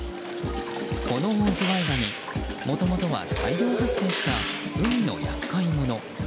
このオオズワイガニもともとは大量発生した海の厄介者。